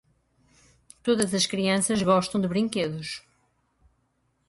Toda criança ama brinquedos.